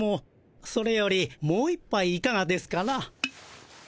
それよりもう一ぱいいかがですかな。